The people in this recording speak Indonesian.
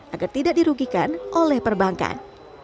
agar tidak dirugikan oleh perbankan